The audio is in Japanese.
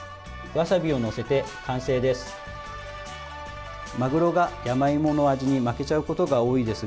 わさびを載せて完成です。